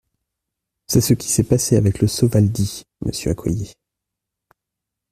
C’est ce qui s’est passé avec le Sovaldi, monsieur Accoyer.